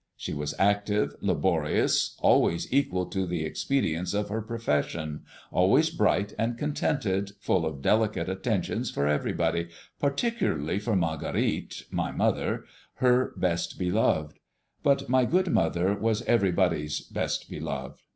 She was active, laborious, always equal to the expedients of her profession, always bright and contented, full of delicate attentions for everybody, particularly for Marguerite (my mother), her best beloved; but my good mother was everybody's best beloved.